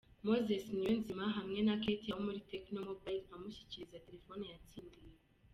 Moses Niyonzima hamwe na Kethia wo muri Tecno Mobile amushyikiriza terefone yatsindiye.